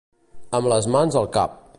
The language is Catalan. Amb les mans al cap.